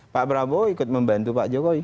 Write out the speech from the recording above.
pak prabowo ikut membantu pak jokowi